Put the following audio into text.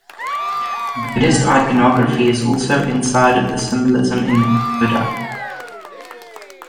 Buddhist iconography is also inside of the symbolism in the pagoda.